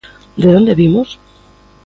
De onde vimos?